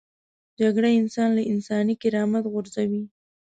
جګړه انسان له انساني کرامت غورځوي